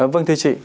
vâng thưa chị